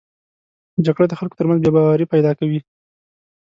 جګړه د خلکو تر منځ بې باوري پیدا کوي